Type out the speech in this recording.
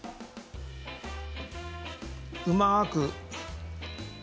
うまく。